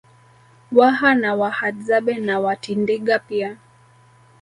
Waha na Wahadzabe na Watindiga pia